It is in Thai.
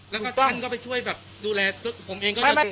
แล้วก็ท่านก็ไปช่วยแบบดูแลผมเองก็โอเค